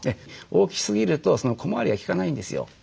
大きすぎると小回りが利かないんですよ。